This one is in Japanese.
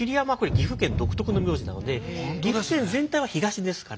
岐阜県独特の名字なので岐阜県全体は東ですから。